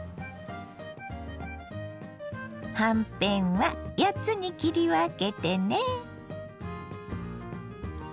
はんぺんは８つに切り分けてね。